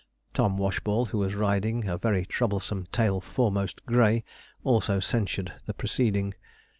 Tom Washball, who was riding a very troublesome tail foremost grey, also censured the proceeding.